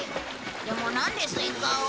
でもなんでスイカを？